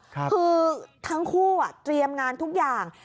คือทั้งคู่เตรียมงานทุกอย่าง